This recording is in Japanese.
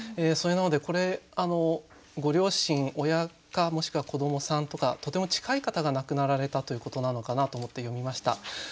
それなのでこれご両親親かもしくは子どもさんとかとても近い方が亡くなられたということなのかなと思って読みました。